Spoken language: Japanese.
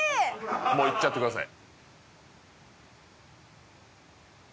もういっちゃってください